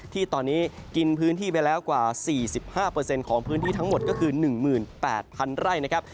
ที่ตอนนี้กินพื้นที่ไปแล้วกว่า๔๕ของพื้นที่ทั้งหมดก็คือ๑๘๐๐๐ไร่นะครับ